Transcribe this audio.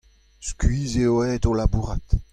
Skuizh eo aet o labourat.